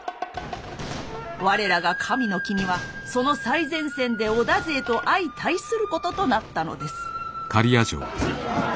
我らが神の君はその最前線で織田勢と相対することとなったのです。